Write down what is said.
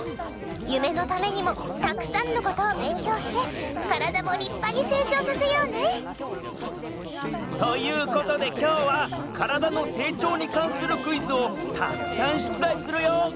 ゆめのためにもたくさんのことをべんきょうしてカラダもりっぱに成長させようね。ということできょうはカラダの成長にかんするクイズをたくさんしゅつだいするよ！